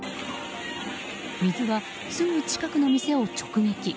水は、すぐ近くの店を直撃。